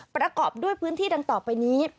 ประกอบด้วยพื้นที่ดังต่อไปนี้